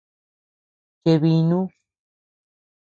Cheʼe binu.